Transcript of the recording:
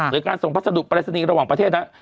หรือการส่งพัสดุปรายศนีย์ระหว่างประเทศนะ